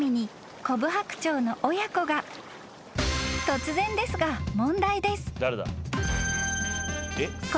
［突然ですが問題です］